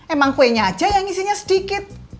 emang kuenya aja yang isinya sedikit